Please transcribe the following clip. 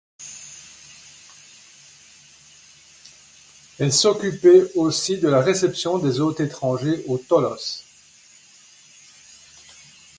Elle s'occupait aussi de la réception des hôtes étrangers au Tholos.